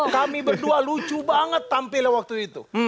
kami berdua lucu banget tampil waktu itu